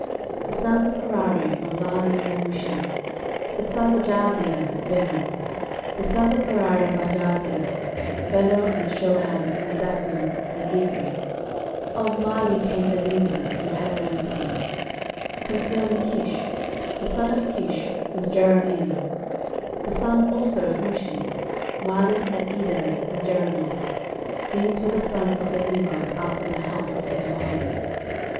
13:024:026 The sons of Merari were Mahli and Mushi: the sons of Jaaziah; Beno. 13:024:027 The sons of Merari by Jaaziah; Beno, and Shoham, and Zaccur, and Ibri. 13:024:028 Of Mahli came Eleazar, who had no sons. 13:024:029 Concerning Kish: the son of Kish was Jerahmeel. 13:024:030 The sons also of Mushi; Mahli, and Eder, and Jerimoth. These were the sons of the Levites after the house of their fathers.